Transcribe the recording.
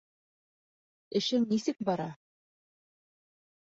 Эшең нисек бара?